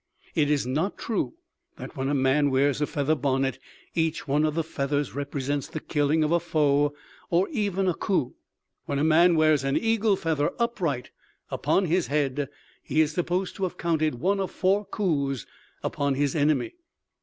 "It is not true that when a man wears a feather bonnet, each one of the feathers represents the killing of a foe or even a coup. When a man wears an eagle feather upright upon his head, he is supposed to have counted one of four coups upon his enemy."